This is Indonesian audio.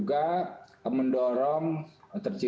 karena ini adalah industri yang sangat tinggi